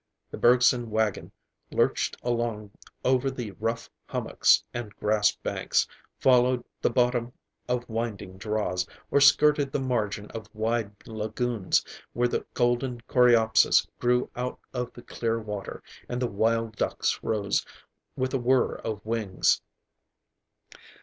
The Bergson wagon lurched along over the rough hummocks and grass banks, followed the bottom of winding draws, or skirted the margin of wide lagoons, where the golden coreopsis grew up out of the clear water and the wild ducks rose with a whirr of wings.